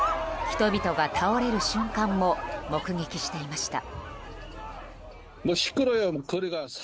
人々が倒れる瞬間も目撃していました。